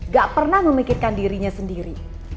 gak pernah memikirkan dirinya sendiri